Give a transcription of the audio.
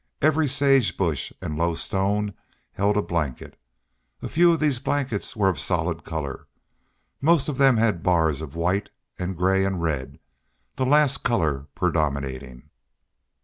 Every sagebush and low stone held a blanket. A few of these blankets were of solid color, most of them had bars of white and gray and red, the last color predominating.